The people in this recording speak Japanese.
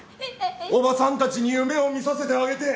おばさんたちに夢を見させてあげて。